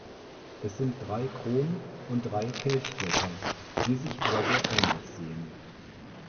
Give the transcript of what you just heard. Es sind drei Kron- und drei Kelchblätter, die sich aber sehr ähnlich sehen.